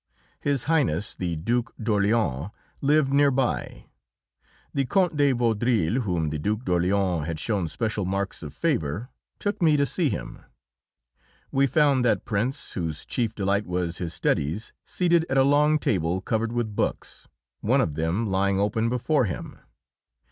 His Highness the Duke d'Orléans lived near by; the Count de Vaudreuil, whom the Duke d'Orléans had shown special marks of favour, took me to see him. We found that prince, whose chief delight was his studies, seated at a long table covered with books, one of them lying open before him.